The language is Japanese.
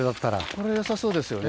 これ良さそうですよね。